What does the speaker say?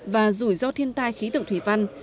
và rủi ro thiên tai khí tượng thủy văn